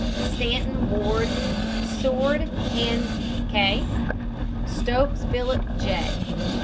STANTON, WARD. SWORD, HANS K. STOKES, PHILIP J.